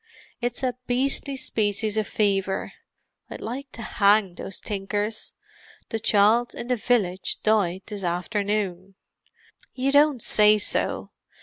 "It's a beastly species of fever; I'd like to hang those tinkers. The child in the village died this afternoon." "You don't say so!"